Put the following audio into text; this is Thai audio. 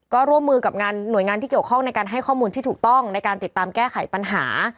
ก็ร่วมมือกับหน่วยงานที่เกี่ยวข้องในการให้ข้อมูลที่ถูกต้องในการติดตามแก้ไขปัญหา